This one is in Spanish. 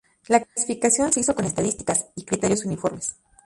La clasificación se hizo con estadísticas y criterios uniformes.